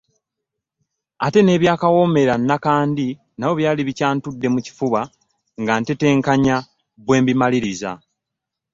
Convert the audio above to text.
Ate n'ebya Kawoomera Nakandi nabyo byali bikyantudde mu kifuba nga ntetenkanya bwe mbimaliriza.